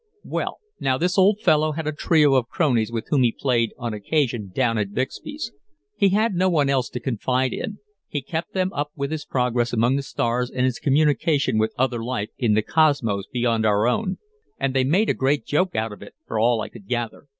"Well, now, this old fellow had a trio of cronies with whom he played on occasion down at Bixby's. He had no one else to confide in. He kept them up with his progress among the stars and his communication with other life in the cosmos beyond our own, and they made a great joke out of it, from all I could gather.